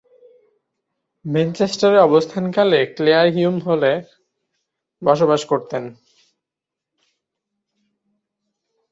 ম্যানচেস্টারে অবস্থানকালে Clare Hume হলে বসবাস করতেন।